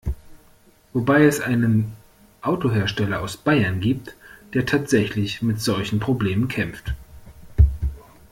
Wobei es einen Autohersteller aus Bayern gibt, der tatsächlich mit solchen Problemen kämpft.